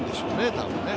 多分ね。